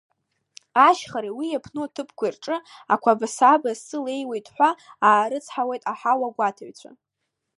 Ашьхареи, уи иаԥну аҭыԥқәеи рҿи ақәаба-сабааи аси леиуеит, ҳәа аарыцҳауеит аҳауагәаҭаҩцәа.